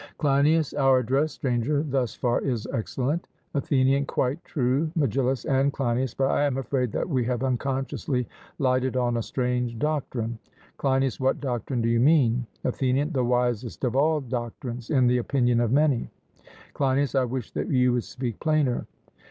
CLEINIAS: Our address, Stranger, thus far, is excellent. ATHENIAN: Quite true, Megillus and Cleinias, but I am afraid that we have unconsciously lighted on a strange doctrine. CLEINIAS: What doctrine do you mean? ATHENIAN: The wisest of all doctrines, in the opinion of many. CLEINIAS: I wish that you would speak plainer.